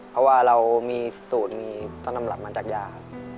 เพราะว่าเรามีสูตรมีต้นตำรับมาจากยา